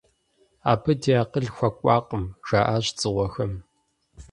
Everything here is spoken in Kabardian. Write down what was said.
Абы ди акъыл хуэкӏуакъым, - жаӏащ дзыгъуэхэм.